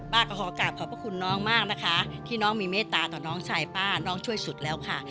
ขอกลับขอบพระคุณน้องมากนะคะที่น้องมีเมตตาต่อน้องชายป้าน้องช่วยสุดแล้วค่ะ